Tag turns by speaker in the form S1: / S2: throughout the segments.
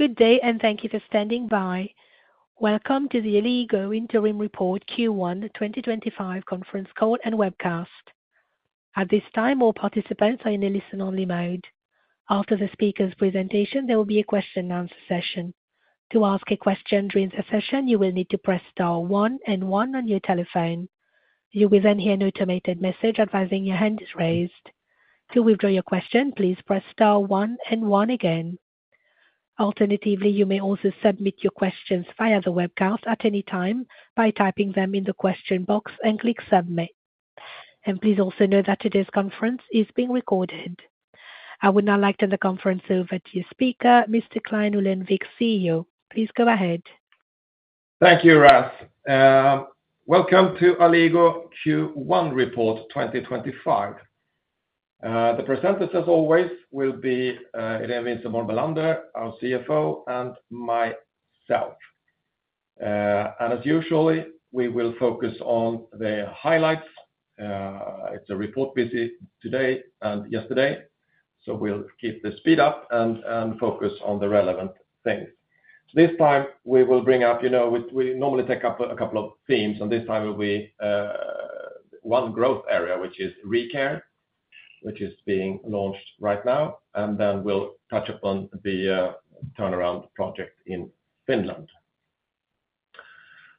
S1: Good day, and thank you for standing by. Welcome to the Alligo Interim Report Q1 2025 conference call and webcast. At this time, all participants are in a listen-only mode. After the speaker's presentation, there will be a question-and-answer session. To ask a question during the session, you will need to press star one and one on your telephone. You will then hear an automated message advising your hand is raised. To withdraw your question, please press star one and one again. Alternatively, you may also submit your questions via the webcast at any time by typing them in the question box and click submit. Please also know that today's conference is being recorded. I would now like to turn the conference over to your speaker, Mr. Clein Ullenvik, CEO. Please go ahead.
S2: Thank you, Ralph. Welcome to Alligo Q1 Report 2025. The presenters, as always, will be Irene Wisenborn Bellander, our CFO, and myself. As usual, we will focus on the highlights. It's a report busy today and yesterday, so we'll keep the speed up and focus on the relevant things. This time, we will bring up, you know, we normally take up a couple of themes, and this time it will be one growth area, which is ReCare, which is being launched right now, and then we'll touch upon the turnaround project in Finland.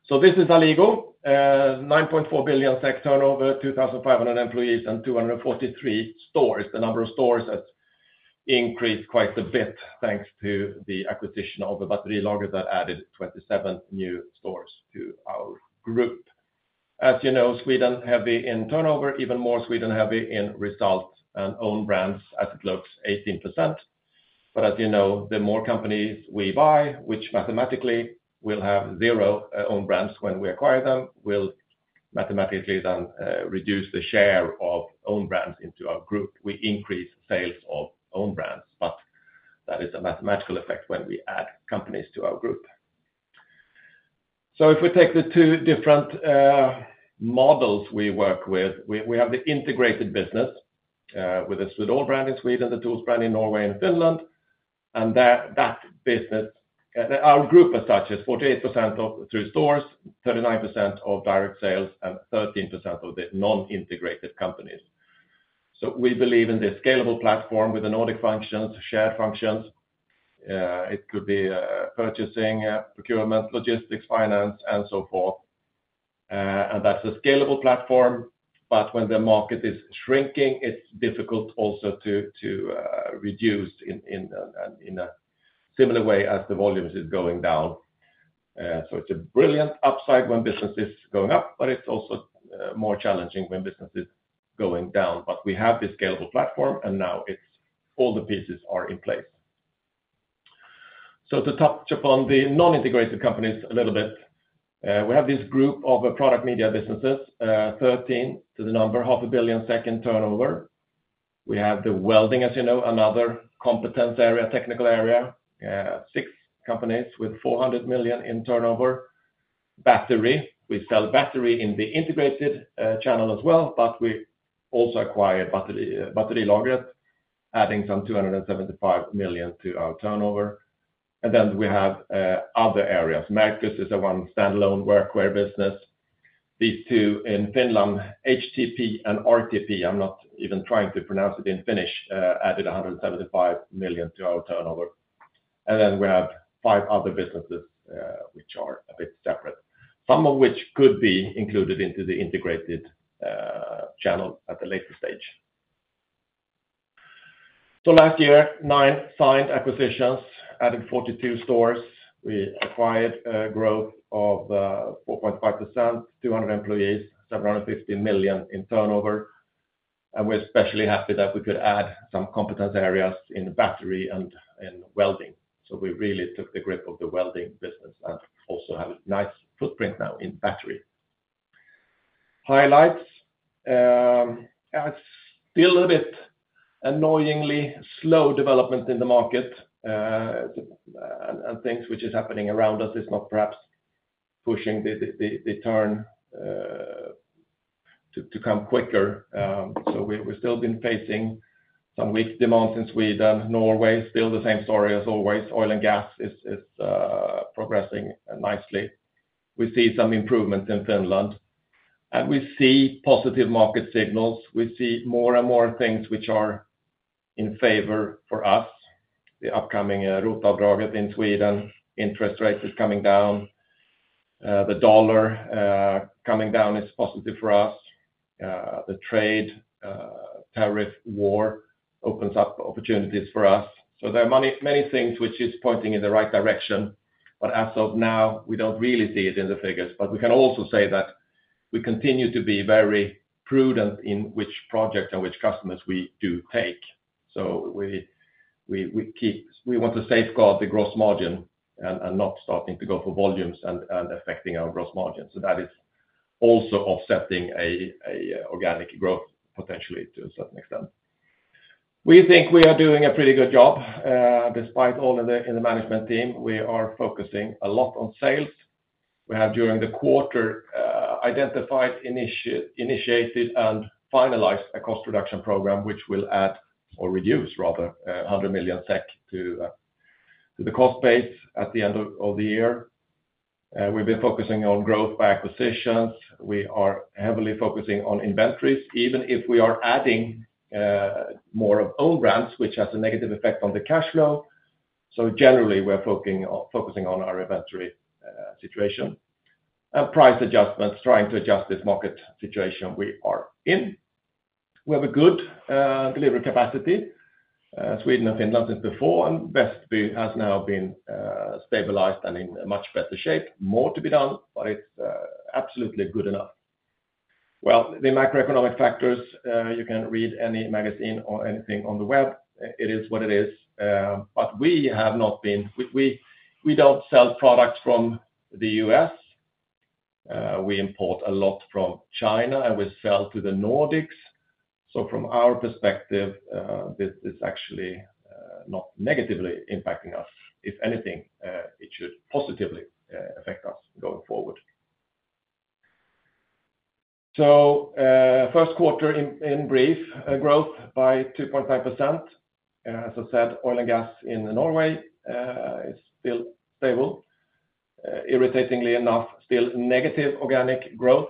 S2: This is Alligo: 9.4 billion SEK turnover, 2,500 employees, and 243 stores. The number of stores has increased quite a bit thanks to the acquisition of a Batterilagret that added 27 new stores to our group. As you know, Sweden heavy in turnover, even more Sweden heavy in result and own brands as it looks, 18%. As you know, the more companies we buy, which mathematically will have zero own brands when we acquire them, will mathematically then reduce the share of own brands into our group. We increase sales of own brands, but that is a mathematical effect when we add companies to our group. If we take the two different models we work with, we have the integrated business with the Swedol brand in Sweden and the Tools brand in Norway and Finland, and that business, our group as such, is 48% through stores, 39% of direct sales, and 13% of the non-integrated companies. We believe in this scalable platform with the Nordic functions, shared functions. It could be purchasing, procurement, logistics, finance, and so forth. That's a scalable platform, but when the market is shrinking, it's difficult also to reduce in a similar way as the volume is going down. It's a brilliant upside when business is going up, but it's also more challenging when business is going down. We have this scalable platform, and now all the pieces are in place. To touch upon the non-integrated companies a little bit, we have this group of product media businesses, 13 in number, SEK 500,000,000 in turnover. We have the welding, as you know, another competence area, technical area, six companies with 400,000,000 in turnover. Battery, we sell battery in the integrated channel as well, but we also acquire Battery Lager, adding some 275,000,000 to our turnover. We have other areas. Mercus is one standalone workwear business. These two in Finland, HTP and RTP, I'm not even trying to pronounce it in Finnish, added 175 million to our turnover. We have five other businesses which are a bit separate, some of which could be included into the integrated channel at a later stage. Last year, nine signed acquisitions added 42 stores. We acquired a growth of 4.5%, 200 employees, 750 million in turnover. We are especially happy that we could add some competence areas in battery and in welding. We really took the grip of the welding business and also have a nice footprint now in battery. Highlights: still a bit annoyingly slow development in the market, and things which are happening around us are not perhaps pushing the turn to come quicker. We have still been facing some weak demand in Sweden. Norway, still the same story as always. Oil and gas is progressing nicely. We see some improvement in Finland, and we see positive market signals. We see more and more things which are in favor for us. The upcoming route of drawing in Sweden, interest rates are coming down. The dollar coming down is positive for us. The trade tariff war opens up opportunities for us. There are many things which are pointing in the right direction, but as of now, we do not really see it in the figures. We can also say that we continue to be very prudent in which project and which customers we do take. We want to safeguard the gross margin and not start to go for volumes and affecting our gross margin. That is also offsetting an organic growth potentially to a certain extent. We think we are doing a pretty good job despite all in the management team. We are focusing a lot on sales. We have, during the quarter, identified, initiated, and finalized a cost reduction program, which will add or reduce, rather, 100 million SEK to the cost base at the end of the year. We've been focusing on growth by acquisitions. We are heavily focusing on inventories, even if we are adding more of own brands, which has a negative effect on the cash flow. Generally, we're focusing on our inventory situation and price adjustments, trying to adjust this market situation we are in. We have a good delivery capacity. Sweden and Finland since before, and Vestby has now been stabilized and in much better shape. More to be done, but it's absolutely good enough. The macroeconomic factors, you can read any magazine or anything on the web. It is what it is. We have not been—we do not sell products from the U.S. We import a lot from China, and we sell to the Nordics. From our perspective, this is actually not negatively impacting us. If anything, it should positively affect us going forward. First quarter in brief, growth by 2.5%. As I said, oil and gas in Norway is still stable. Irritatingly enough, still negative organic growth.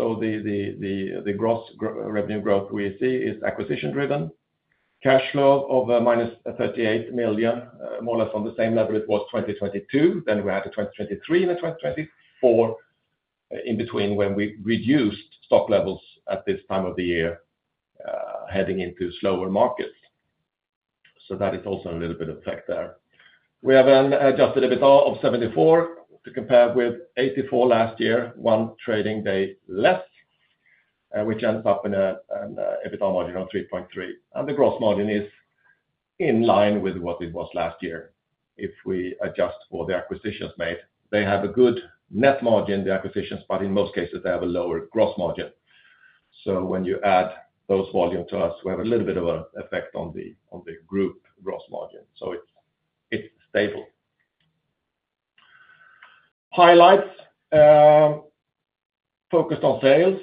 S2: The gross revenue growth we see is acquisition-driven. Cash flow of -38 million, more or less on the same level it was in 2022. We had 2023 and 2024 in between when we reduced stock levels at this time of the year heading into slower markets. That is also a little bit of effect there. We have an adjusted EBITDA of 74 million to compare with 84 million last year, one trading day less, which ends up in an EBITDA margin of 3.3%. The gross margin is in line with what it was last year if we adjust for the acquisitions made. They have a good net margin, the acquisitions, but in most cases, they have a lower gross margin. When you add those volumes to us, we have a little bit of an effect on the group gross margin. It is stable. Highlights focused on sales.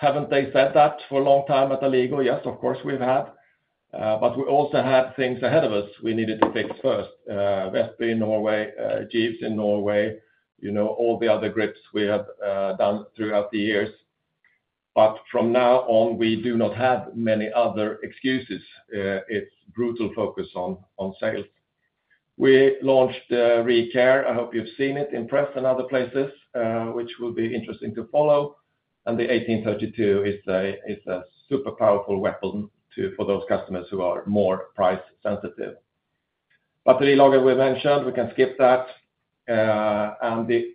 S2: Haven't they said that for a long time at Alligo? Yes, of course, we have. We also had things ahead of us we needed to fix first: Westby in Norway, Jeeves in Norway, you know, all the other grips we have done throughout the years. From now on, we do not have many other excuses. It's brutal focus on sales. We launched ReCare. I hope you've seen it in press and other places, which will be interesting to follow. And the 1832 is a super powerful weapon for those customers who are more price sensitive. Battery Lager we mentioned, we can skip that. The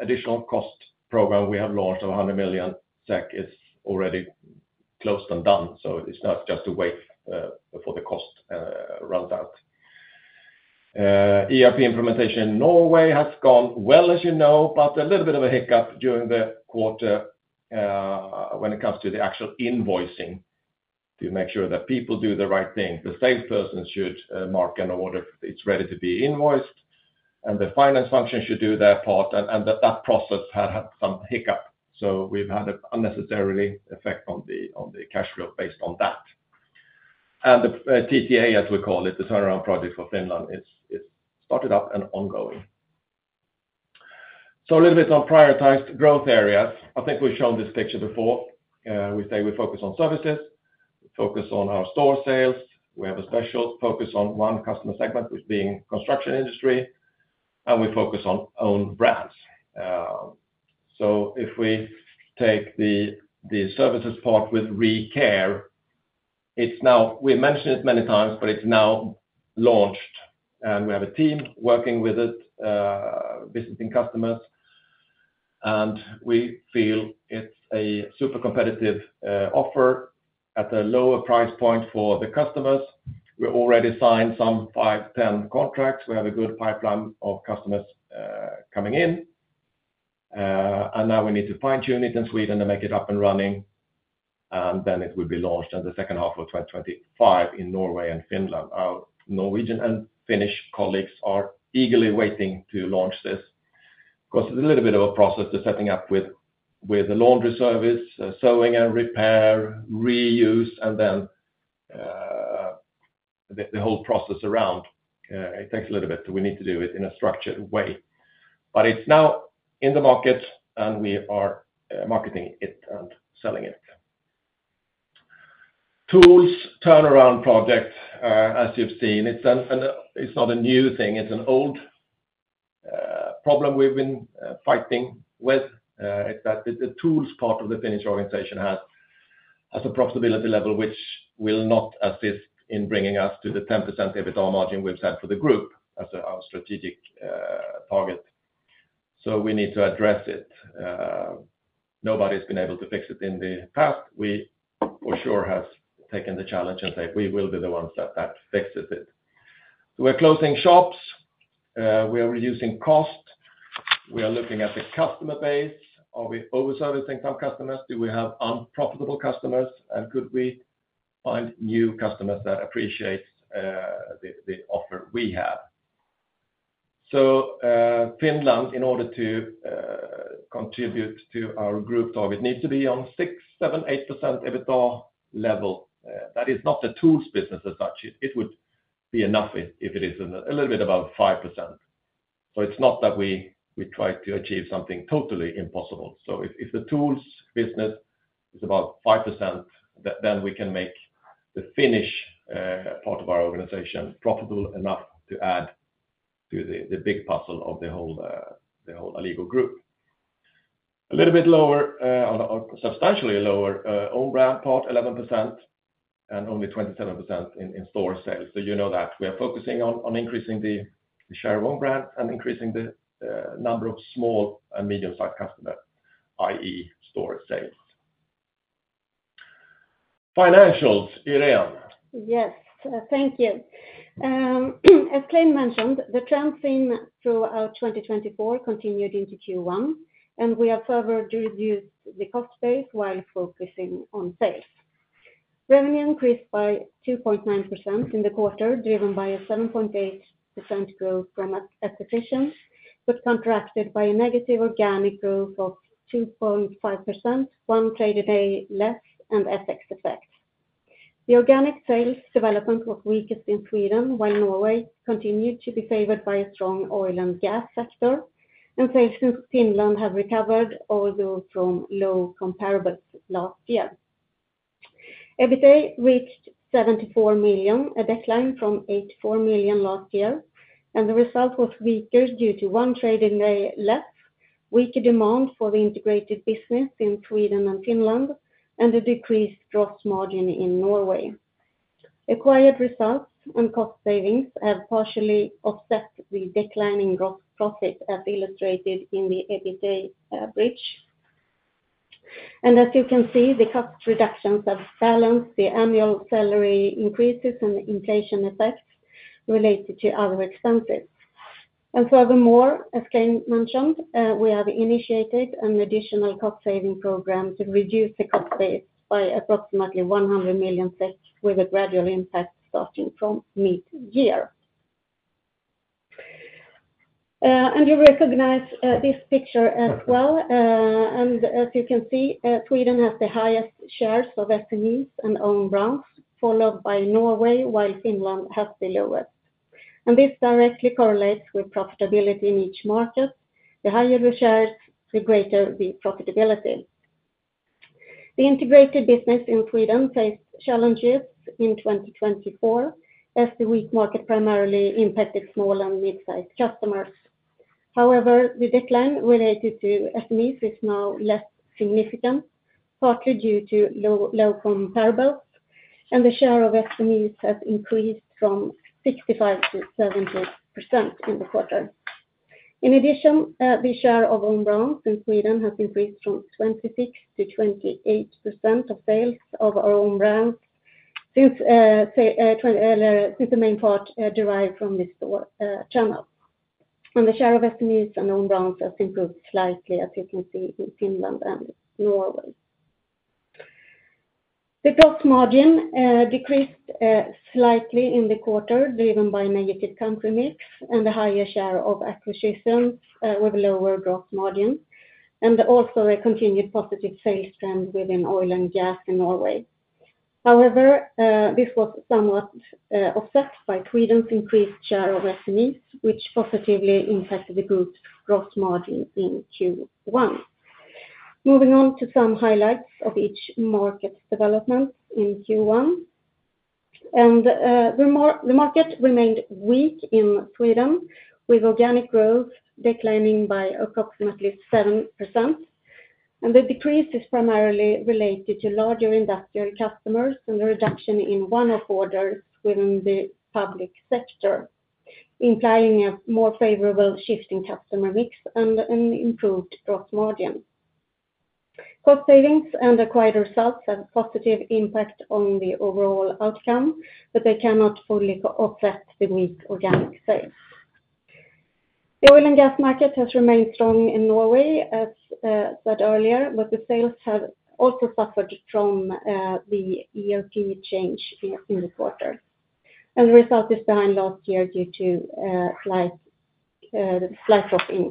S2: additional cost program we have launched of 100 million SEK is already close and done. It's not just a wait for the cost to run out. ERP implementation in Norway has gone well, as you know, but a little bit of a hiccup during the quarter when it comes to the actual invoicing to make sure that people do the right thing. The salesperson should mark an order if it's ready to be invoiced, and the finance function should do their part. That process had some hiccup. We have had an unnecessary effect on the cash flow based on that. The TTA, as we call it, the turnaround project for Finland, is started up and ongoing. A little bit on prioritized growth areas. I think we have shown this picture before. We say we focus on services, we focus on our store sales, we have a special focus on one customer segment, which being the construction industry, and we focus on own brands. If we take the services part with ReCare, it is now—we mentioned it many times, but it is now launched. We have a team working with it, visiting customers. We feel it is a super competitive offer at a lower price point for the customers. We have already signed some 5-10 contracts. We have a good pipeline of customers coming in. We need to fine-tune it in Sweden and make it up and running. Then it will be launched in the second half of 2025 in Norway and Finland. Our Norwegian and Finnish colleagues are eagerly waiting to launch this. Of course, it's a little bit of a process to setting up with the laundry service, sewing and repair, reuse, and then the whole process around. It takes a little bit. We need to do it in a structured way. It is now in the market, and we are marketing it and selling it. Tools turnaround project, as you've seen, it's not a new thing. It's an old problem we've been fighting with. It's that the tools part of the Finnish organization has a profitability level which will not assist in bringing us to the 10% EBITDA margin we've set for the group as our strategic target. We need to address it. Nobody has been able to fix it in the past. We for sure have taken the challenge and said we will be the ones that fix it. We're closing shops. We are reducing costs. We are looking at the customer base. Are we overservicing some customers? Do we have unprofitable customers? Could we find new customers that appreciate the offer we have? Finland, in order to contribute to our group target, needs to be on 6-8% EBITDA level. That is not the tools business as such. It would be enough if it is a little bit above 5%. It is not that we try to achieve something totally impossible. If the tools business is about 5%, then we can make the Finnish part of our organization profitable enough to add to the big puzzle of the whole Alligo group. A little bit lower, substantially lower, own brand part, 11%, and only 27% in store sales. You know that we are focusing on increasing the share of own brands and increasing the number of small and medium-sized customers, i.e., store sales.
S1: Financials, Irene.
S3: Yes, thank you. As Cleinmentioned, the trends throughout 2024 continued into Q1, and we have further reduced the cost base while focusing on sales. Revenue increased by 2.9% in the quarter, driven by a 7.8% growth from acquisitions, but contracted by a negative organic growth of 2.5%, one trade a day less, and FX effect. The organic sales development was weakest in Sweden, while Norway continued to be favored by a strong oil and gas sector. Sales in Finland have recovered, although from low comparables last year. EBITDA reached 74 million, a decline from 84 million last year. The result was weaker due to one trade day less, weaker demand for the integrated business in Sweden and Finland, and a decreased gross margin in Norway. Acquired results and cost savings have partially offset the declining gross profit, as illustrated in the EBITDA average. As you can see, the cost reductions have balanced the annual salary increases and inflation effects related to other expenses. Furthermore, as Clein mentioned, we have initiated an additional cost-saving program to reduce the cost base by approximately 100 million, with a gradual impact starting from mid-year. You recognize this picture as well. As you can see, Sweden has the highest shares of SMEs and own brands, followed by Norway, while Finland has the lowest. This directly correlates with profitability in each market. The higher the shares, the greater the profitability. The integrated business in Sweden faced challenges in 2024 as the weak market primarily impacted small and mid-sized customers. However, the decline related to SMEs is now less significant, partly due to low comparables, and the share of SMEs has increased from 65% to 70% in the quarter. In addition, the share of own brands in Sweden has increased from 26% to 28% of sales of our own brands since the main part derived from the store channel. The share of SMEs and own brands has improved slightly, as you can see in Finland and Norway. The gross margin decreased slightly in the quarter, driven by negative country mix, and a higher share of acquisitions with lower gross margin, and also a continued positive sales trend within oil and gas in Norway. However, this was somewhat offset by Sweden's increased share of SMEs, which positively impacted the group's gross margin in Q1. Moving on to some highlights of each market development in Q1. The market remained weak in Sweden, with organic growth declining by approximately 7%. The decrease is primarily related to larger industrial customers and the reduction in one-off orders within the public sector, implying a more favorable shift in customer mix and an improved gross margin. Cost savings and acquired results have a positive impact on the overall outcome, but they cannot fully offset the weak organic sales. The oil and gas market has remained strong in Norway, as said earlier, but the sales have also suffered from the ERP change in the quarter. The result is behind last year due to slight drop in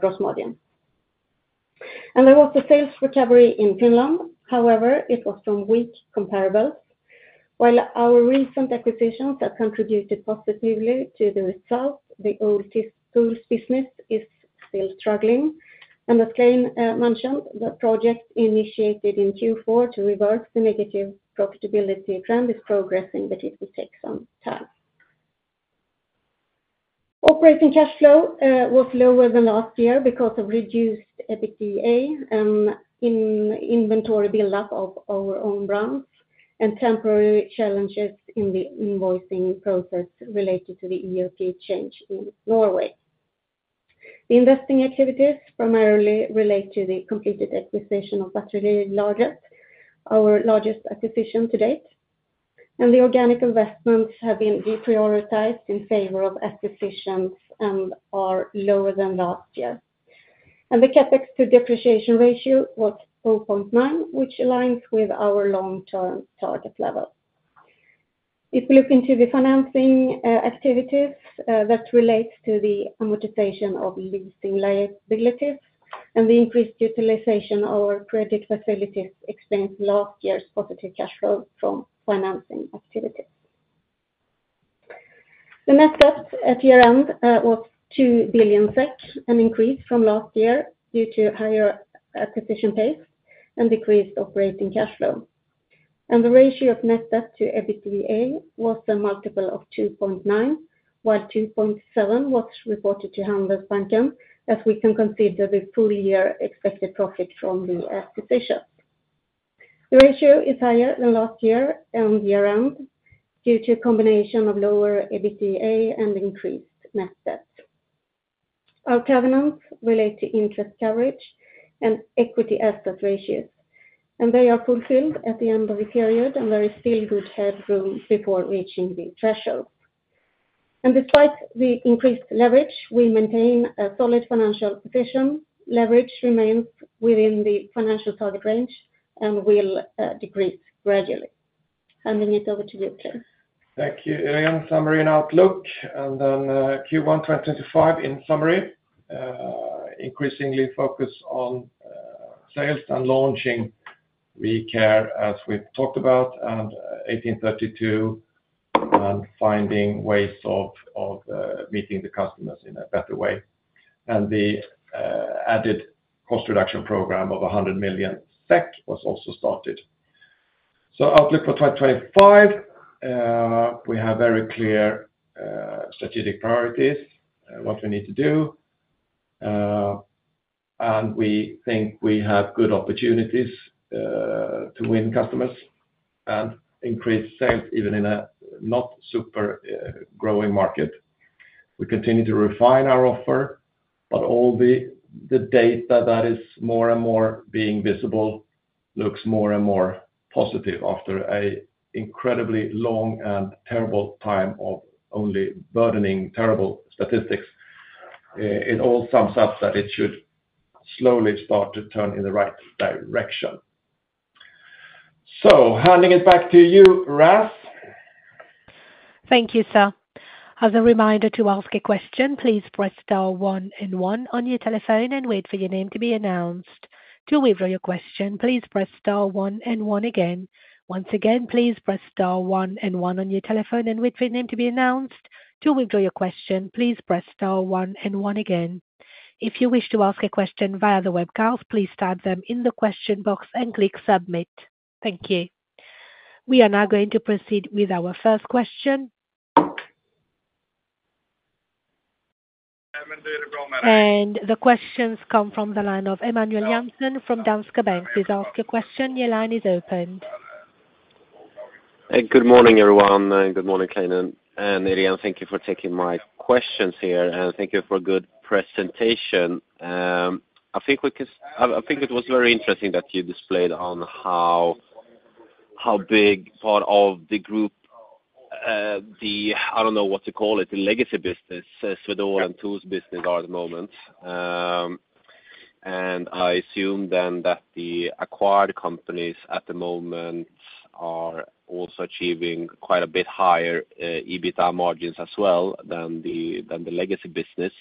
S3: gross margin. There was a sales recovery in Finland. However, it was from weak comparables. While our recent acquisitions have contributed positively to the results, the old Tools business is still struggling. As Kathleen mentioned, the project initiated in Q4 to reverse the negative profitability trend is progressing, but it will take some time. Operating cash flow was lower than last year because of reduced EBITDA and inventory buildup of our own brands and temporary challenges in the invoicing process related to the ERP change in Norway. The investing activities primarily relate to the completed acquisition of Battery Lager, our largest acquisition to date. The organic investments have been deprioritized in favor of acquisitions and are lower than last year. The CapEx to depreciation ratio was 4.9, which aligns with our long-term target level. If we look into the financing activities, that relates to the amortization of leasing liabilities and the increased utilization of our project facilities explains last year's positive cash flow from financing activities. The net debt at year-end was 2 billion SEK, an increase from last year due to higher acquisition pace and decreased operating cash flow. The ratio of net debt to EBITDA was a multiple of 2.9, while 2.7 was reported to Handelsbanken as we can consider the full year expected profit from the acquisitions. The ratio is higher than last year and year-end due to a combination of lower EBITDA and increased net debt. Our covenants relate to interest coverage and equity asset ratios, and they are fulfilled at the end of the period, and there is still good headroom before reaching the thresholds. Despite the increased leverage, we maintain a solid financial position. Leverage remains within the financial target range and will decrease gradually. Handing it over to you, please.
S2: Thank you, Irene. Summary and outlook. Q1 2025 in summary. Increasingly focus on sales and launching ReCare, as we've talked about, and 1832 and finding ways of meeting the customers in a better way. The added cost reduction program of 100 million was also started. Outlook for 2025, we have very clear strategic priorities, what we need to do. We think we have good opportunities to win customers and increase sales even in a not super growing market. We continue to refine our offer, but all the data that is more and more being visible looks more and more positive after an incredibly long and terrible time of only burdening terrible statistics. It all sums up that it should slowly start to turn in the right direction. Handing it back to you, Ralph.
S1: Thank you, sir. As a reminder to ask a question, please press star one and one on your telephone and wait for your name to be announced. To withdraw your question, please press star one and one again. Once again, please press star one and one on your telephone and wait for your name to be announced. To withdraw your question, please press star one and one again. If you wish to ask a question via the webcast, please type them in the question box and click submit. Thank you. We are now going to proceed with our first question. The questions come from the line of Emmanuel Jansen from Danske Bank. Please ask a question. Your line is opened.
S4: Good morning, everyone. Good morning, Kathleen. And Irene, thank you for taking my questions here. Thank you for a good presentation. I think it was very interesting that you displayed on how big part of the group, the, I don't know what to call it, the legacy business, Swedol and Tools business are at the moment. I assume then that the acquired companies at the moment are also achieving quite a bit higher EBITDA margins as well than the legacy business.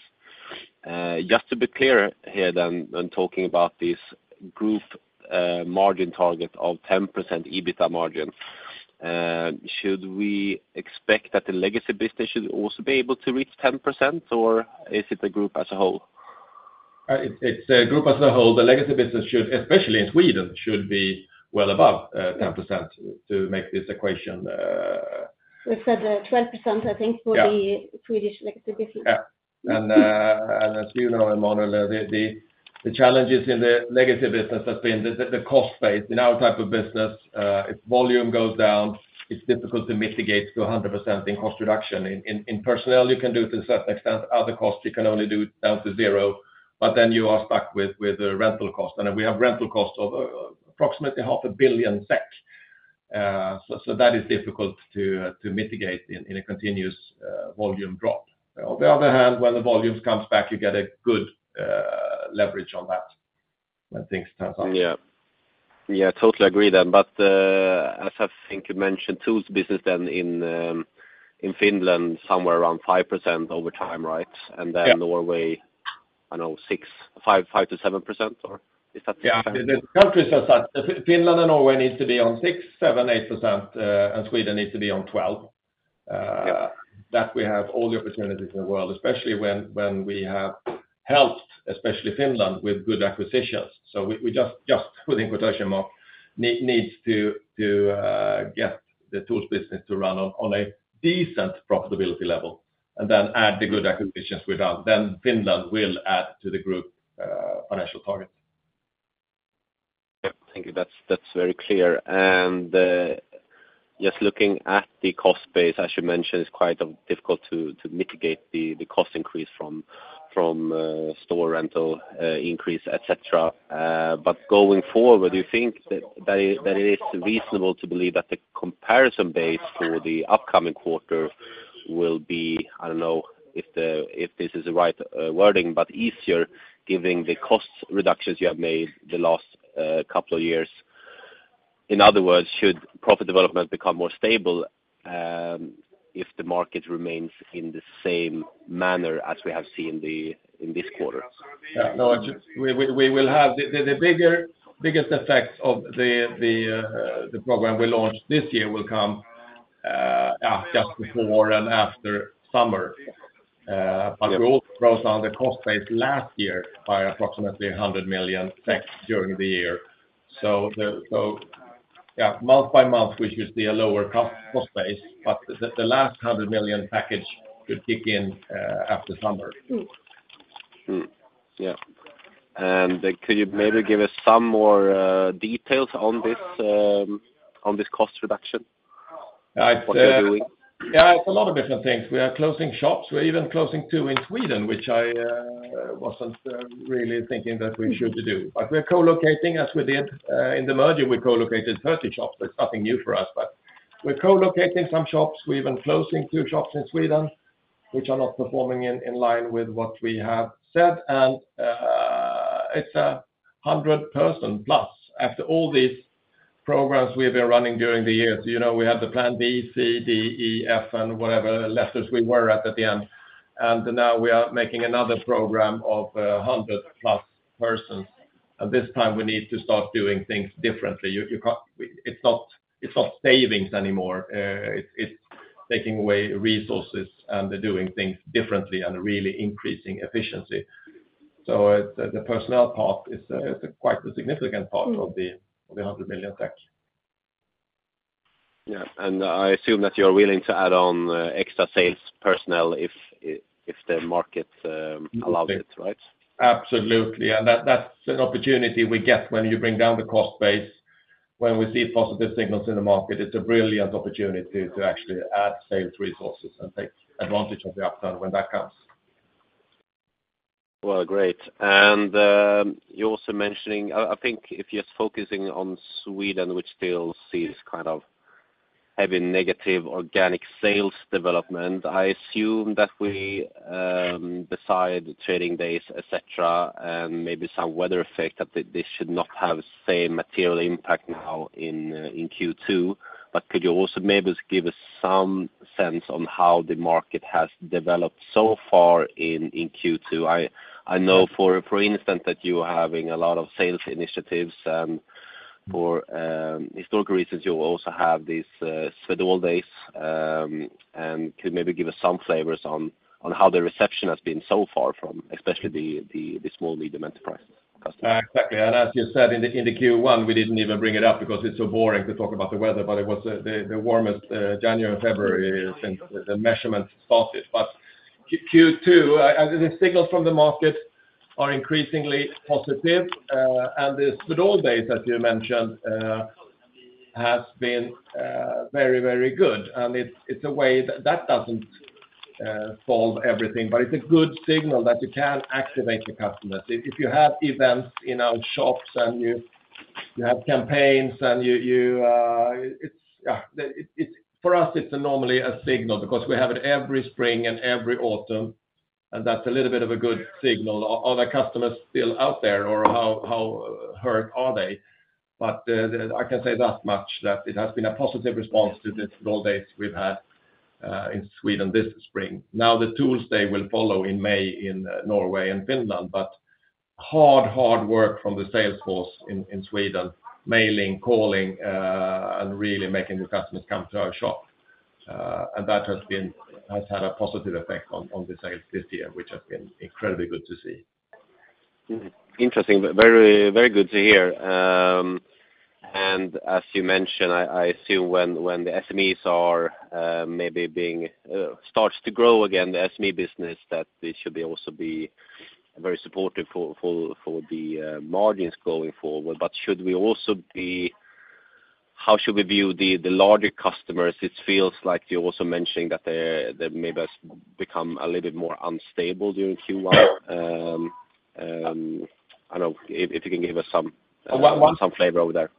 S4: Just to be clear here then when talking about this group margin target of 10% EBITDA margin, should we expect that the legacy business should also be able to reach 10%, or is it the group as a whole?
S2: It is the group as a whole. The legacy business should, especially in Sweden, should be well above 10% to make this equation. You said 12%, I think, for the Swedish legacy business. As you know, Emmanuel, the challenges in the legacy business have been the cost base. In our type of business, if volume goes down, it is difficult to mitigate to 100% in cost reduction. In personnel, you can do it to a certain extent. Other costs, you can only do it down to zero. You are stuck with the rental cost. We have rental costs of approximately 500 million SEK. That is difficult to mitigate in a continuous volume drop. On the other hand, when the volumes come back, you get a good leverage on that when things turn up.
S4: Yeah. Yeah, totally agree then. As I think you mentioned, Tools business then in Finland somewhere around 5% over time, right? Norway, I do not know, 5-7%, or is that the exact number?
S2: Yeah, the countries are such. Finland and Norway need to be on 6-8%, and Sweden needs to be on 12%. We have all the opportunities in the world, especially when we have helped, especially Finland, with good acquisitions. We just, within quotation marks, need to get the Tools business to run on a decent profitability level and then add the good acquisitions we have done. Finland will add to the group financial target.
S4: Thank you. That is very clear. Just looking at the cost base, as you mentioned, it's quite difficult to mitigate the cost increase from store rental increase, etc. Going forward, do you think that it is reasonable to believe that the comparison base for the upcoming quarter will be, I don't know if this is the right wording, but easier, given the cost reductions you have made the last couple of years? In other words, should profit development become more stable if the market remains in the same manner as we have seen in this quarter?
S2: Yeah. No, we will have the biggest effects of the program we launched this year come just before and after summer. We also froze down the cost base last year by approximately 100 million during the year. Yeah, month by month, we should see a lower cost base, but the last 100 million package could kick in after summer.
S4: Yeah. Could you maybe give us some more details on this cost reduction? What you're doing?
S2: Yeah, it's a lot of different things. We are closing shops. We're even closing two in Sweden, which I wasn't really thinking that we should do. We are co-locating, as we did in the merger. We co-located 30 shops. That's nothing new for us, but we're co-locating some shops. We're even closing two shops in Sweden, which are not performing in line with what we have said. It's a 100-person plus after all these programs we have been running during the year. We had the plan B, C, D, E, F, and whatever letters we were at at the end. We are making another program of 100-plus persons. This time, we need to start doing things differently. It is not savings anymore. It is taking away resources and doing things differently and really increasing efficiency. The personnel part is quite a significant part of the 100 million.
S4: Yeah. I assume that you are willing to add on extra sales personnel if the market allows it, right?
S2: Absolutely. That is an opportunity we get when you bring down the cost base. When we see positive signals in the market, it is a brilliant opportunity to actually add sales resources and take advantage of the upturn when that comes.
S4: Great. You are also mentioning, I think if you are focusing on Sweden, which still sees kind of heavy negative organic sales development, I assume that besides trading days, etc., and maybe some weather effect, that this should not have the same material impact now in Q2. Could you also maybe give us some sense on how the market has developed so far in Q2? I know, for instance, that you are having a lot of sales initiatives. For historical reasons, you also have these Swedol days. Could you maybe give us some flavors on how the reception has been so far from especially the small-medium enterprise customers?
S2: Exactly. As you said, in Q1, we did not even bring it up because it is so boring to talk about the weather, but it was the warmest January and February since the measurement started. Q2, the signals from the market are increasingly positive. The Swedol days, as you mentioned, have been very, very good. It is a way that does not solve everything, but it is a good signal that you can activate the customers. If you have events in our shops and you have campaigns and you—yeah, for us, it is normally a signal because we have it every spring and every autumn. That is a little bit of a good signal of the customers still out there or how hurt are they. I can say that much, that it has been a positive response to the Swedol days we have had in Sweden this spring. Now, the Tools day will follow in May in Norway and Finland, but hard, hard work from the sales force in Sweden, mailing, calling, and really making the customers come to our shop. That has had a positive effect on the sales this year, which has been incredibly good to see.
S4: Interesting. Very good to hear. As you mentioned, I assume when the SMEs are maybe starting to grow again, the SME business, that they should also be very supportive for the margins going forward. How should we view the larger customers? It feels like you also mentioned that they maybe have become a little bit more unstable during Q1. I do not know if you can give us some flavor over there.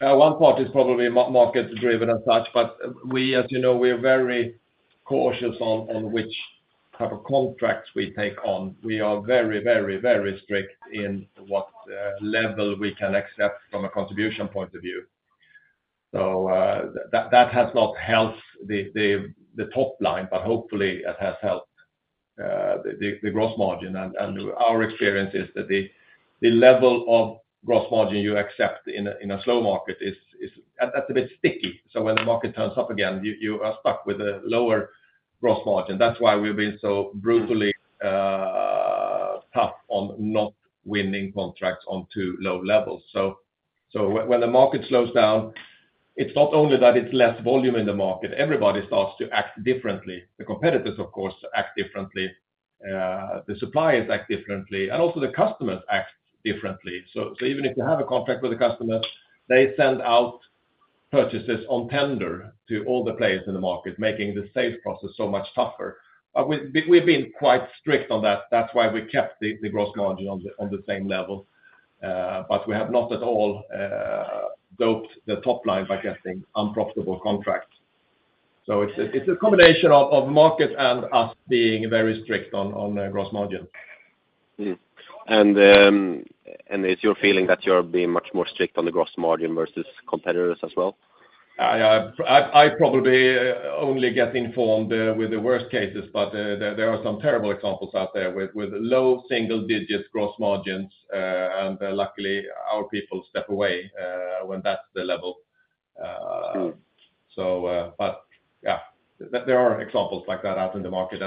S2: One part is probably market-driven as such, but we, as you know, we are very cautious on which type of contracts we take on. We are very, very, very strict in what level we can accept from a contribution point of view. That has not helped the top line, but hopefully, it has helped the gross margin. Our experience is that the level of gross margin you accept in a slow market is a bit sticky. When the market turns up again, you are stuck with a lower gross margin. That is why we have been so brutally tough on not winning contracts on too low levels. When the market slows down, it is not only that it is less volume in the market. Everybody starts to act differently. The competitors, of course, act differently. The suppliers act differently. Also, the customers act differently. Even if you have a contract with the customers, they send out purchases on tender to all the players in the market, making the sales process so much tougher. We have been quite strict on that. That's why we kept the gross margin on the same level. We have not at all doped the top line by getting unprofitable contracts. It is a combination of market and us being very strict on gross margin.
S4: Is your feeling that you're being much more strict on the gross margin versus competitors as well?
S2: Yeah. I probably only get informed with the worst cases, but there are some terrible examples out there with low single-digit gross margins. Luckily, our people step away when that's the level. There are examples like that out in the market.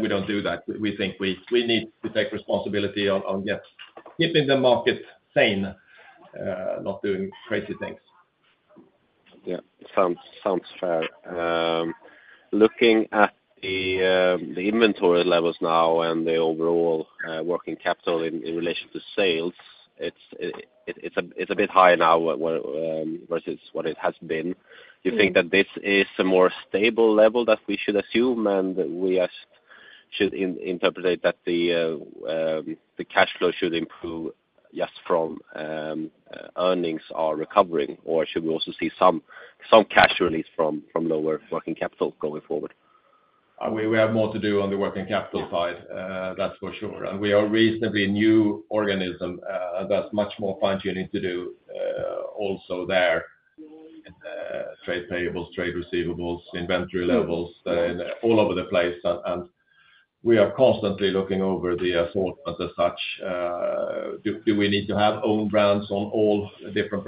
S2: We do not do that. We think we need to take responsibility on keeping the market sane, not doing crazy things.
S4: Yeah. Sounds fair. Looking at the inventory levels now and the overall working capital in relation to sales, it's a bit higher now versus what it has been. Do you think that this is a more stable level that we should assume? We should interpret that the cash flow should improve just from earnings are recovering? Should we also see some cash release from lower working capital going forward?
S2: We have more to do on the working capital side. That's for sure. We are a reasonably new organism with much more fine-tuning to do also there. Trade payables, trade receivables, inventory levels, all over the place. We are constantly looking over the assortment as such. Do we need to have own brands on all different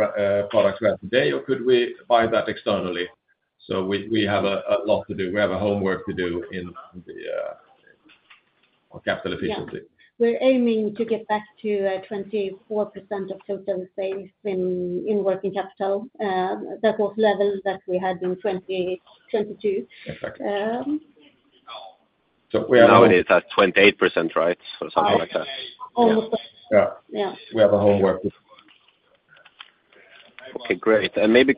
S2: products right today, or could we buy that externally? We have a lot to do. We have homework to do on capital efficiency.
S3: We're aiming to get back to 24% of total sales in working capital. That was the level that we had in 2022. Exactly.
S4: Now it is at 28%, right? Or something like that?
S3: Yeah.
S2: We have a homework to do.
S4: Okay. Great. Maybe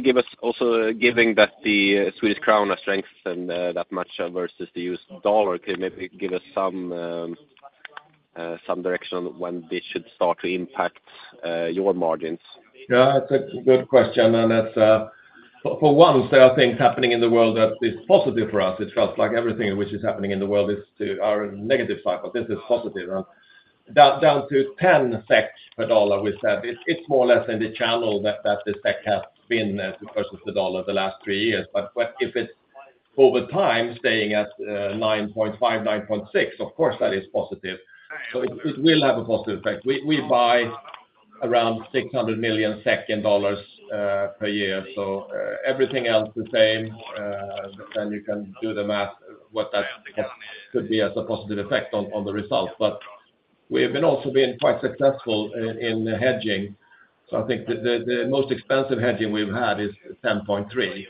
S4: give us also, given that the Swedish crown strengthens that much versus the US dollar, could you maybe give us some direction on when this should start to impact your margins?
S2: Yeah. It's a good question. For one, there are things happening in the world that is positive for us. It feels like everything which is happening in the world is to our negative side, but this is positive. Down to 10 per dollar, we said, it's more or less in the channel that the SEK has been versus the dollar the last three years. If it's over time staying at 9.5, 9.6, of course, that is positive. It will have a positive effect. We buy around 600 million in dollars per year. Everything else is the same. You can do the math, what that could be as a positive effect on the results. We have also been quite successful in hedging. I think the most expensive hedging we've had is 10.3.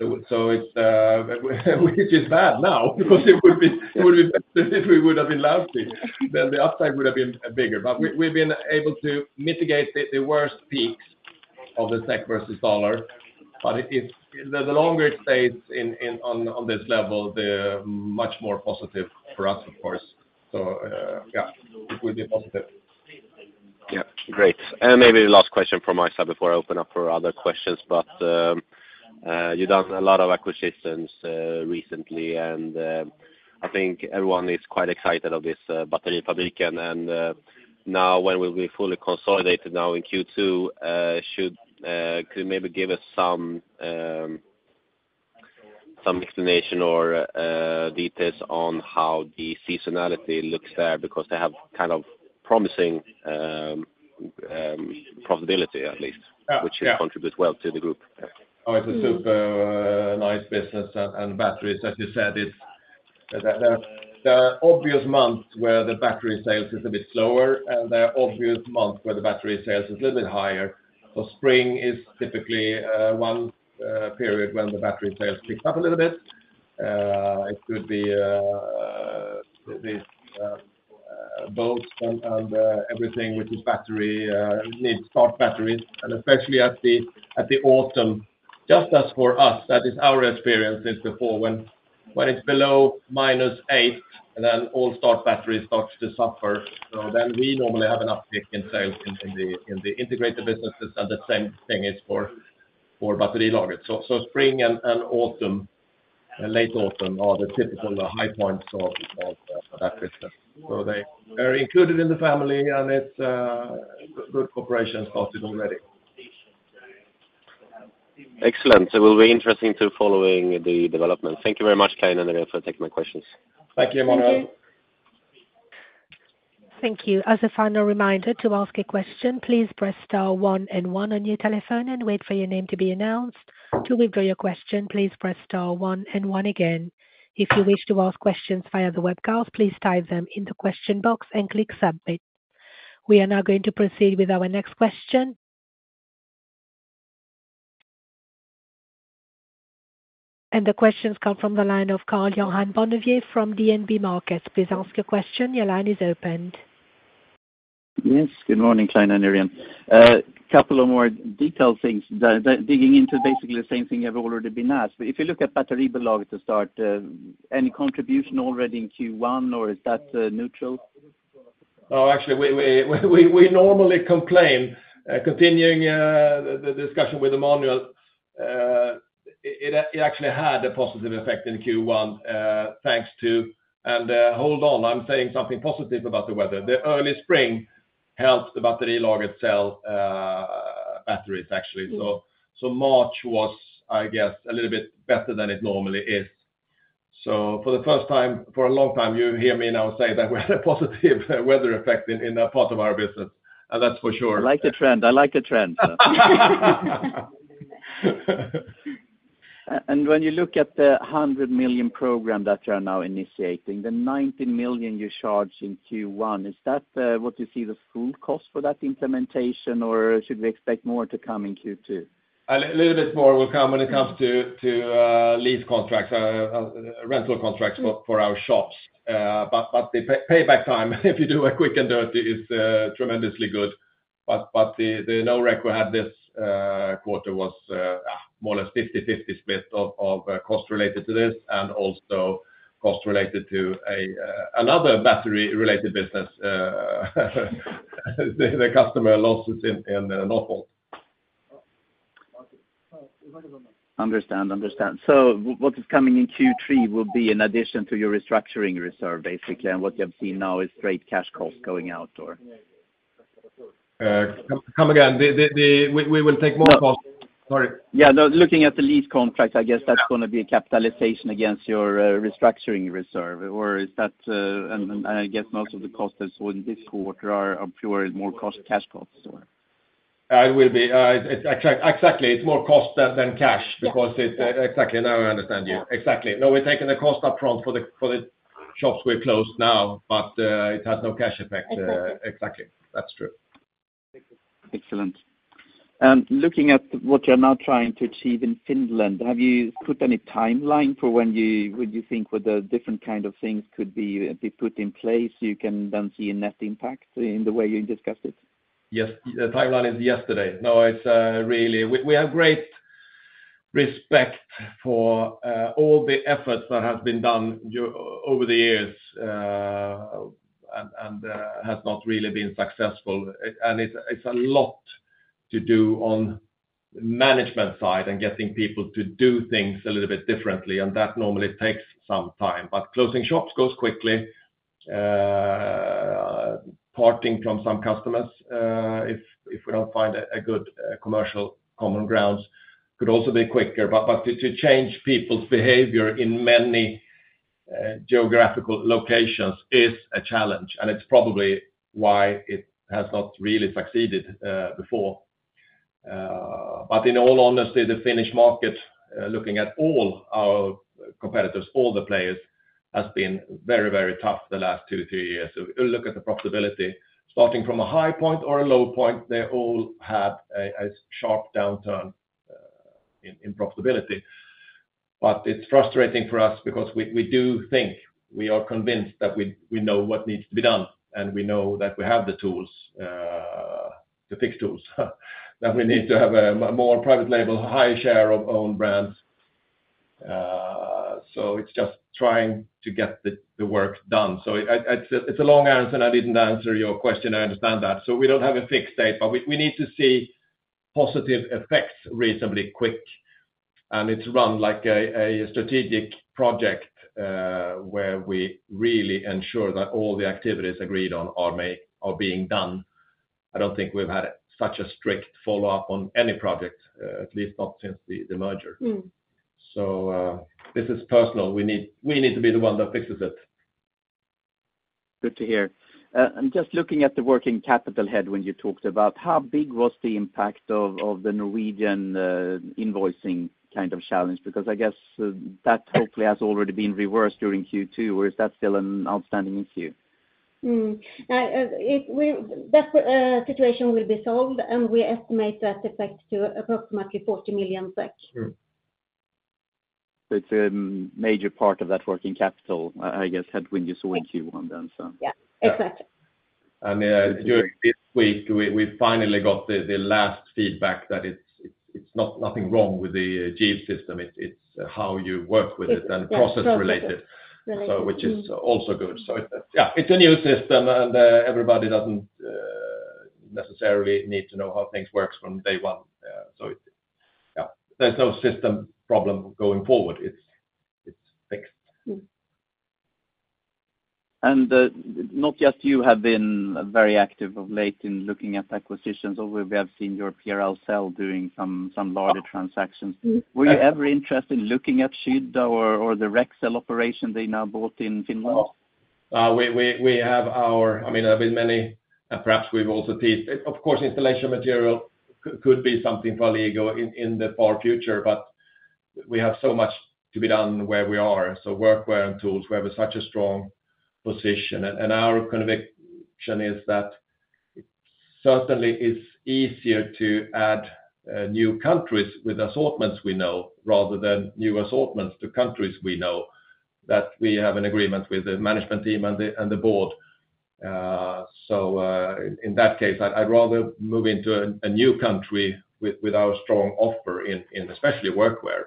S2: Which is bad now because it would be better if we would have been lousy. Then the upside would have been bigger. We've been able to mitigate the worst peaks of the SEK versus dollar. The longer it stays on this level, the much more positive for us, of course. It will be positive.
S4: Great. Maybe the last question from my side before I open up for other questions. You have done a lot of acquisitions recently, and I think everyone is quite excited about this Battery Lager. Now when it will be fully consolidated in Q2, could you maybe give us some explanation or details on how the seasonality looks there? Because they have kind of promising profitability, at least, which contributes well to the group.
S2: Oh, it is a super nice business. And batteries, as you said, there are obvious months where the battery sales is a bit slower, and there are obvious months where the battery sales is a little bit higher. Spring is typically one period when the battery sales pick up a little bit. It could be both and everything which is battery needs start batteries. Especially at the autumn, just as for us, that is our experience is before when it is below minus 8, then all start batteries start to suffer. We normally have an uptick in sales in the integrated businesses. The same thing is for Battery Lager. Spring and late autumn are the typical high points of that business. They are included in the family, and it is a good cooperation started already.
S5: Excellent. It will be interesting to follow the development. Thank you very much, Klas and Irene, for taking my questions.
S2: Thank you, Emmanuel.
S1: Thank you. As a final reminder to ask a question, please press star one and one on your telephone and wait for your name to be announced. To withdraw your question, please press star one and one again. If you wish to ask questions via the webcast, please type them in the question box and click submit. We are now going to proceed with our next question. The questions come from the line of Karl Johan Bonnevie from DNB Markets. Please ask your question. Your line is opened.
S6: Yes. Good morning, Klas and Irene. A couple of more detailed things, digging into basically the same thing you have already been asked. If you look at Battery Lager to start, any contribution already in Q1, or is that neutral?
S2: Actually, we normally complain. Continuing the discussion with Emmanuel, it actually had a positive effect in Q1, thanks to—and hold on, I am saying something positive about the weather. The early spring helped Battery Lager sell batteries, actually. March was, I guess, a little bit better than it normally is. For the first time in a long time, you hear me now say that we had a positive weather effect in that part of our business. That is for sure.
S6: I like the trend. I like the trend. When you look at the 100 million program that you are now initiating, the 90 million you charged in Q1, is that what you see the full cost for that implementation, or should we expect more to come in Q2?
S2: A little bit more will come when it comes to lease contracts, rental contracts for our shops. The payback time, if you do it quick and dirty, is tremendously good. The no record had this quarter was more or less 50/50 split of cost related to this and also cost related to another battery-related business. The customer losses in Northvolt.
S6: Understand. Understand. What is coming in Q3 will be in addition to your restructuring reserve, basically. What you have seen now is straight cash cost going out, or?
S2: Come again. We will take more costs. Sorry.
S6: Yeah. Looking at the lease contracts, I guess that's going to be capitalization against your restructuring reserve. Or is that—I guess most of the costs in this quarter are purely more cash costs, or?
S2: It will be. Exactly. It's more cost than cash because it's—exactly. Now I understand you. Exactly. No, we're taking the cost upfront for the shops we've closed now, but it has no cash effect. Exactly. That's true.
S6: Excellent. Looking at what you're now trying to achieve in Finland, have you put any timeline for when you think what the different kind of things could be put in place so you can then see a net impact in the way you discussed it?
S2: Yes. The timeline is yesterday. No, it's really—we have great respect for all the efforts that have been done over the years and have not really been successful. It is a lot to do on the management side and getting people to do things a little bit differently. That normally takes some time. Closing shops goes quickly. Parting from some customers, if we do not find a good commercial common ground, could also be quicker. To change people's behavior in many geographical locations is a challenge. It is probably why it has not really succeeded before. In all honesty, the Finnish market, looking at all our competitors, all the players, has been very, very tough the last two, three years. If you look at the profitability, starting from a high point or a low point, they all had a sharp downturn in profitability. It is frustrating for us because we do think we are convinced that we know what needs to be done, and we know that we have the tools, the fixed tools, that we need to have a more private label, higher share of own brands. It is just trying to get the work done. It is a long answer, and I did not answer your question. I understand that. We do not have a fixed date, but we need to see positive effects reasonably quick. It is run like a strategic project where we really ensure that all the activities agreed on are being done. I do not think we have had such a strict follow-up on any project, at least not since the merger. This is personal. We need to be the one that fixes it.
S6: Good to hear. Just looking at the working capital head when you talked about, how big was the impact of the Norwegian invoicing kind of challenge? I guess that hopefully has already been reversed during Q2, or is that still an outstanding issue?
S3: That situation will be solved, and we estimate that effect to approximately 40 million SEK.
S6: It is a major part of that working capital, I guess, head when you sold Q1 then.
S3: Yeah. Exactly.
S2: This week, we finally got the last feedback that there is nothing wrong with the Jeep system. It is how you work with it and process-related, which is also good. It is a new system, and everybody does not necessarily need to know how things work from day one. There is no system problem going forward. It is fixed.
S6: You have been very active of late in looking at acquisitions, although we have seen your peer Ahlsell doing some larger transactions. Were you ever interested in looking at Scheidler or the Rexel operation they now bought in Finland?
S2: I mean, there have been many. Perhaps we have also teased it. Of course, installation material could be something for Alligo in the far future, but we have so much to be done where we are. Workwear and tools, we have such a strong position. Our conviction is that it certainly is easier to add new countries with assortments we know rather than new assortments to countries we know that we have an agreement with the management team and the board. In that case, I would rather move into a new country with our strong offer, especially workwear.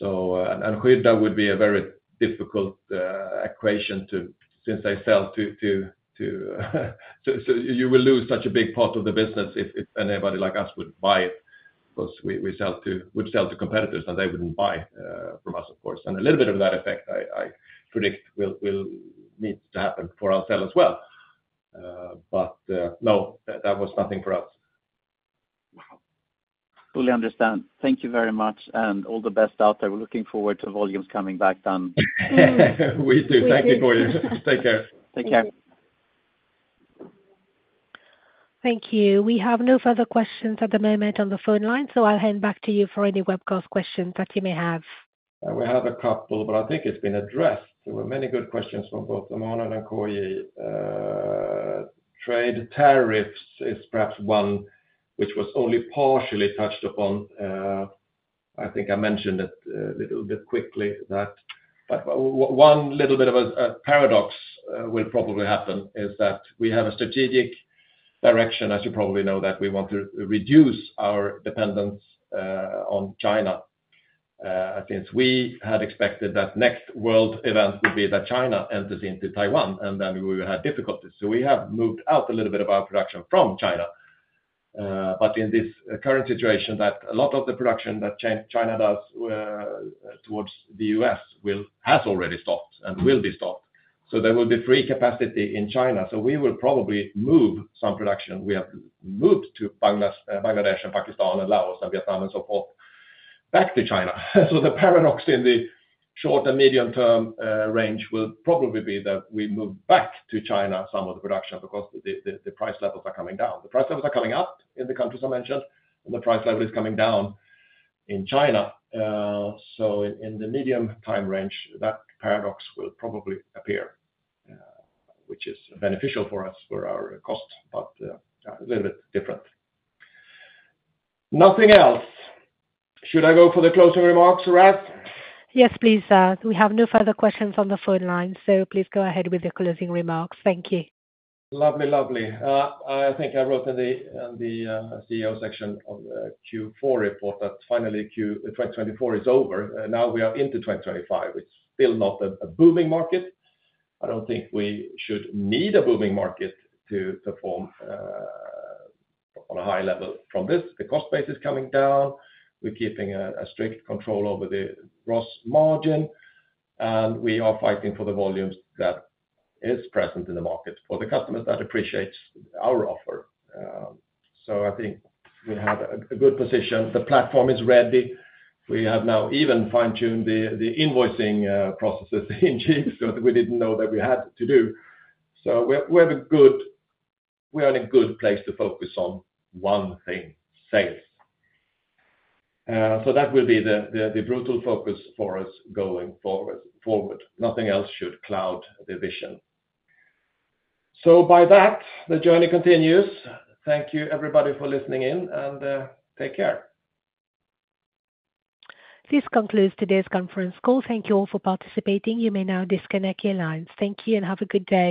S2: Scheidler would be a very difficult equation to—since they sell to—so you will lose such a big part of the business if anybody like us would buy it because we would sell to competitors, and they would not buy from us, of course. A little bit of that effect, I predict, will need to happen for ourselves as well. No, that was nothing for us.
S6: Fully understand. Thank you very much, and all the best out there. We are looking forward to volumes coming back then.
S2: We do. Thank you, Pauline. Take care.
S1: Take care. Thank you. We have no further questions at the moment on the phone line, so I will hand back to you for any webcast questions that you may have.
S2: We have a couple, but I think it has been addressed. There were many good questions from both Emmanuel and Corey. Trade tariffs is perhaps one, which was only partially touched upon. I think I mentioned it a little bit quickly that. One little bit of a paradox will probably happen is that we have a strategic direction, as you probably know, that we want to reduce our dependence on China since we had expected that next world event would be that China enters into Taiwan, and then we would have difficulties. We have moved out a little bit of our production from China. In this current situation, a lot of the production that China does towards the US has already stopped and will be stopped. There will be free capacity in China. We will probably move some production we have moved to Bangladesh and Pakistan and Laos and Vietnam and so forth back to China. The paradox in the short and medium-term range will probably be that we move back to China some of the production because the price levels are coming down. The price levels are coming up in the countries I mentioned, and the price level is coming down in China. In the medium-time range, that paradox will probably appear, which is beneficial for us for our cost, but a little bit different. Nothing else. Should I go for the closing remarks, Ralph?
S1: Yes, please. We have no further questions on the phone line, so please go ahead with the closing remarks. Thank you.
S2: Lovely, lovely. I think I wrote in the CEO section of the Q4 report that finally 2024 is over. Now we are into 2025. It is still not a booming market. I do not think we should need a booming market to perform on a high level from this. The cost base is coming down. We're keeping a strict control over the gross margin, and we are fighting for the volumes that are present in the market for the customers that appreciate our offer. I think we have a good position. The platform is ready. We have now even fine-tuned the invoicing processes in Jeeves that we did not know that we had to do. We are in a good place to focus on one thing: sales. That will be the brutal focus for us going forward. Nothing else should cloud the vision. By that, the journey continues. Thank you, everybody, for listening in, and take care.
S1: This concludes today's conference call. Thank you all for participating. You may now disconnect your lines. Thank you and have a good day.